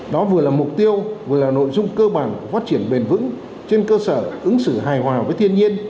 đó vừa là mục tiêu vừa là nội dung cơ bản phát triển bền vững trên cơ sở ứng xử hài hòa với thiên nhiên